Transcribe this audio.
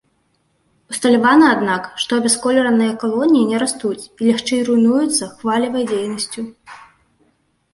Усталявана, аднак, што абясколераныя калоніі не растуць і лягчэй руйнуюцца хвалевай дзейнасцю.